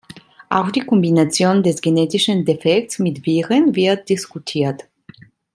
Auch die Kombination des genetischen Defekts mit Viren wird diskutiert.